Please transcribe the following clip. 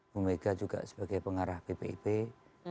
pemiga juga sering mengatakan pada posisi pak jokowi sebagai presiden